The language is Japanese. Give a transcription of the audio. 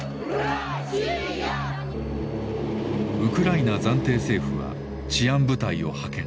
ウクライナ暫定政府は治安部隊を派遣。